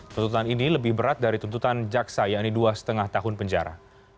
tuntutan ini lebih berat dari tuntutan jaksa yakni dua lima tahun penjara